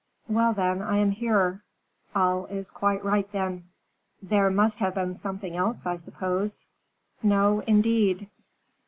"Well, then, I am here." "All is quite right, then." "There must have been something else, I suppose?" "No, indeed."